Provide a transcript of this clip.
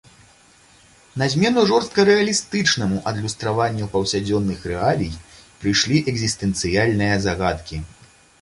На змену жорстка рэалістычнаму адлюстраванню паўсядзённых рэалій прыйшлі экзістэнцыяльныя загадкі.